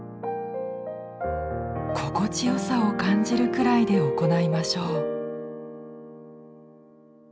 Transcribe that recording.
心地よさを感じるくらいで行いましょう。